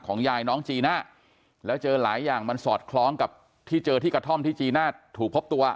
ยายน้องจีน่าแล้วเจอหลายอย่างมันสอดคล้องกับที่เจอที่กระท่อมที่จีน่าถูกพบตัว